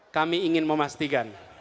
kami ingin memastikan